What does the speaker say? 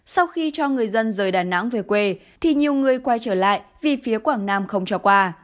sau khi cho người dân rời đà nẵng về quê thì nhiều người quay trở lại vì phía quảng nam không cho qua